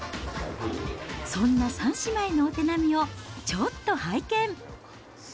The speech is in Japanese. そんな３姉妹のお手並みをちょっと拝見。